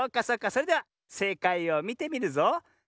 それではせいかいをみてみるぞ。